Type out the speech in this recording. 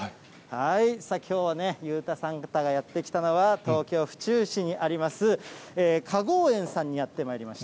きょうはね、裕太サンタがやって来たのは、東京・府中市にあります、花郷園さんにやってまいりました。